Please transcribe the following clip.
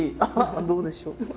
どうでしょう？